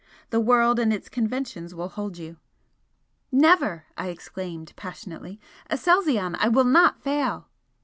The world and its conventions will hold you " "Never!" I exclaimed, passionately "Aselzion, I will not fail!"